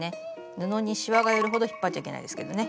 布にしわが寄るほど引っ張っちゃいけないですけどね。